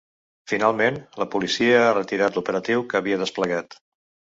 Finalment, la policia ha retirat l’operatiu que havia desplegat.